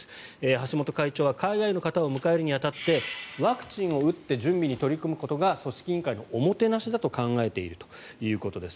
橋本会長は海外の方を迎えるに当たってワクチンを打って準備に取り組むことが組織委員会のおもてなしだと考えているということです。